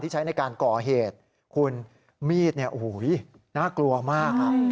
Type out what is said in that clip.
ที่ใช้ในการก่อเหตุคุณมีดน่ากลัวมากครับ